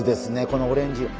このオレンジ色。